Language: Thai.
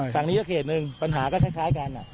ฝั่งนี้ก็เขตหนึ่งปัญหาก็คล้ายกัน